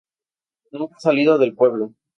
Nunca ha salido del pueblo.